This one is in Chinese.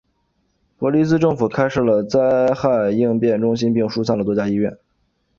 伯利兹政府开设了灾害应变中心并疏散了多家医院。